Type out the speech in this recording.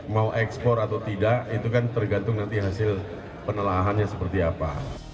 mau ekspor atau tidak itu kan tergantung nanti hasil penelahannya seperti apa